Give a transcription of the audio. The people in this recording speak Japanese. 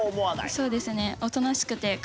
そうですね。